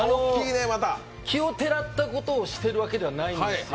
奇をてらったことをしているわけじゃないんですよ。